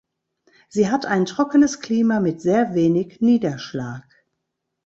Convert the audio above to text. Sie hat ein trockenes Klima mit sehr wenig Niederschlag.